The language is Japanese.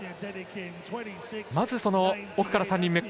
まず奥から３人目。